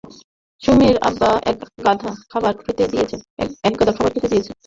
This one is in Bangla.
সুমীর আব্বা একগাদা খাবার খেতে দিয়েছে।